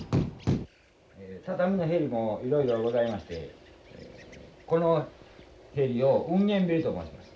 畳の縁もいろいろございましてこの縁を繧縁と申します。